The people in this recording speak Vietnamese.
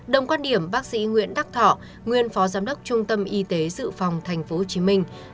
đồng quan điểm bác sĩ nguyễn đắc thọ nguyên phó giám đốc trung tâm y tế dự phòng tp hcm